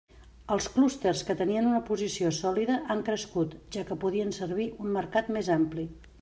Els clústers que tenien una posició sòlida han crescut, ja que podien servir un mercat més ampli.